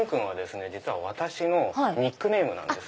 実は私のニックネームなんです。